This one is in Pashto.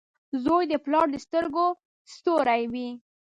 • زوی د پلار د سترګو ستوری وي.